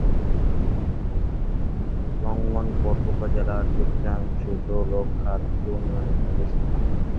নাঙ্গলকোট উপজেলার দক্ষিণাংশে দৌলখাঁড় ইউনিয়নের অবস্থান।